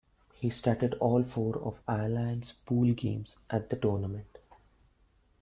He started all four of Ireland's pool games at the tournament.